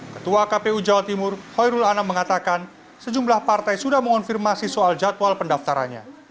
ketua kpu jawa timur hoirul anam mengatakan sejumlah partai sudah mengonfirmasi soal jadwal pendaftarannya